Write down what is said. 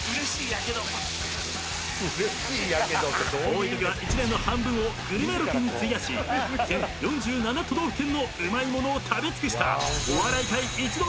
［多いときは１年の半分をグルメロケに費やし全４７都道府県のうまい物を食べ尽くした］